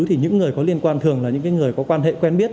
thì những người có liên quan thường là những người có quan hệ quen biết